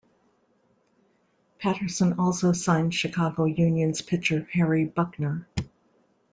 Patterson also signed Chicago Unions pitcher Harry Buckner.